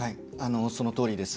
そのとおりです。